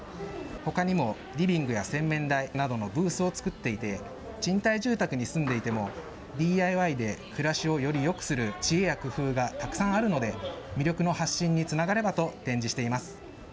ほかにも、リビングや洗面台などのブースを作っていて、賃貸住宅に住んでいても、ＤＩＹで暮らしをよりよくする知恵や工夫がたくさんあるので、魅力の発信につながればと、展示しています。